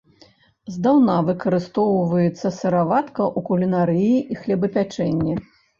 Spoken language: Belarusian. Здаўна выкарыстоўваецца сыроватка ў кулінарыі і хлебапячэнні.